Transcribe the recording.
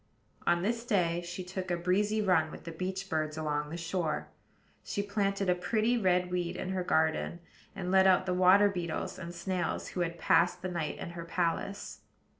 On this day she took a breezy run with the beach birds along the shore; she planted a pretty red weed in her garden; and let out the water beetles and snails who had passed the night in her palace.